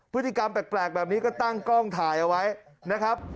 พฤติกรรมแปลกแบบนี้ก็ตั้งกล้องถ่ายเอาไว้นะครับ